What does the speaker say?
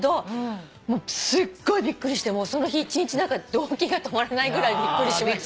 もうすっごいびっくりしてその日一日動悸が止まらないぐらいびっくりしました。